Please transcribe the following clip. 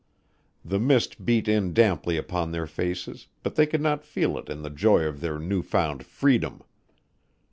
The mist beat in damply upon their faces, but they could not feel it in the joy of their new found freedom.